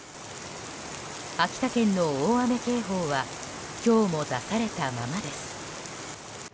秋田県の大雨警報は今日も出されたままです。